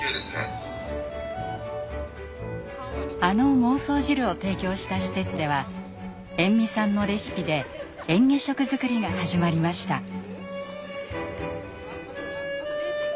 あの孟宗汁を提供した施設では延味さんのレシピでえん下食作りが始まりました。